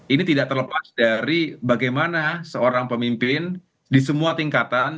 ini tidak terlepas dari bagaimana seorang pemimpin di semua tingkatan